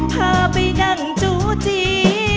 พาไปนั่งจูจี